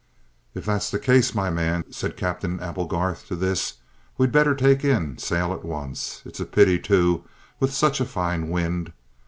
"If that's the case, my man," said Captain Applegarth to this, "we'd better take in sail at once. It's a pity, too, with such a fine wind.